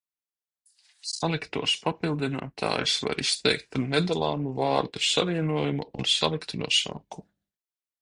Saliktos papildinātājus var izteikt ar nedalāmu vārdu savienojumu un saliktu nosaukumu.